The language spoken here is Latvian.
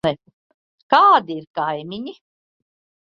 Kādi ir kaimiņi?